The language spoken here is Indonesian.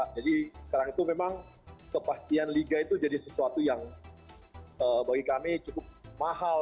jadi sekarang itu memang kepastian liga itu jadi sesuatu yang bagi kami cukup mahal